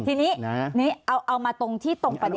ทีนี้เอามาตรงที่ตรงประเด็น